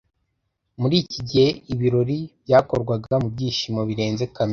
Muri iki gihe ibirori byakorwaga mu byishimo birenze kamere.